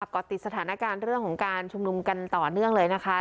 ก็ติดสถานการณ์เรื่องของการชุมนุมกันต่อเนื่องเลยนะคะ